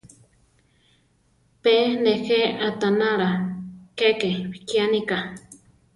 Pe nejé aʼtanála keke bikiánika.